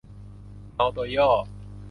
เมาตัวย่อ